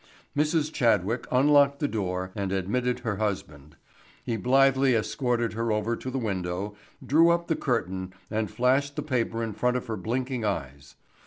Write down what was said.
Mrs. Chadwick unlocked the door and admitted her husband. He blithely escorted her over to the window, drew up the curtain and flashed the paper in front of her blinking eyes.